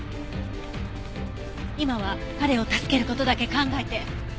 今は彼を助ける事だけ考えて。